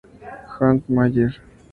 Hans Meyer